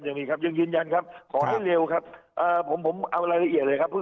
ยังมีครับยังยืนยันครับขอให้เร็วครับเอ่อผมผมเอารายละเอียดเลยครับ